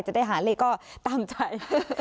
จะได้หาเลขก็ตามใจ